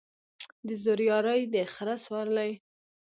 د زورياري ، د خره سورلى.